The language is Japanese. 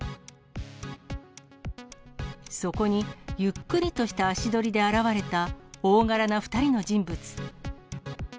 そこにゆっくりとした足取りで現れた大柄な２人の人物。